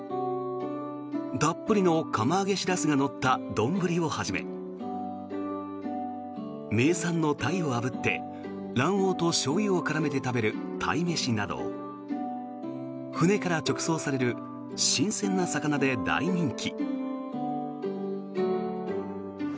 たっぷりの釜揚げシラスが乗った丼をはじめ名産のタイをあぶって卵黄としょうゆを絡めて食べる鯛めしなど船から直送される新鮮な魚で大人気。